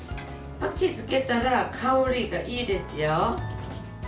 パクチーつけたら香りがいいですよ。